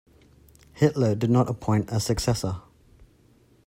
Hitler did not appoint a successor.